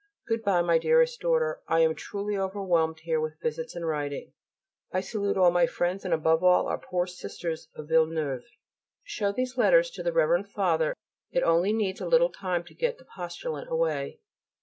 Goodbye, my dearest daughter; I am truly overwhelmed here with visits and writing. I salute all my friends and above all our poor Sisters of Villeneuve. Show these letters to the Rev. Father. It only needs a little time to get the postulant away.